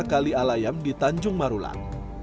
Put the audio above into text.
kali alayam di tanjung marulang